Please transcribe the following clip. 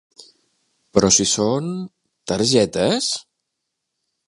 Però si són... targetes?